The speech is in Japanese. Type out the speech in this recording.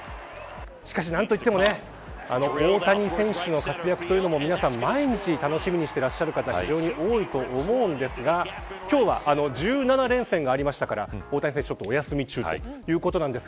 しかし何と言っても大谷選手の活躍というのも皆さん、毎日楽しみにしていらっしゃる方非常に多いと思うんですが今日は１７連戦がありましたから大谷選手、ちょっとお休み中ということです。